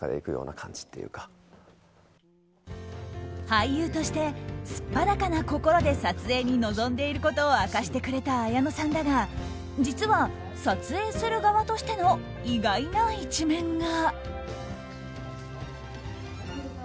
俳優として素っ裸な心で撮影に臨んでいることを明かしてくれた綾野さんだが実は、撮影する側としての意外な一面が。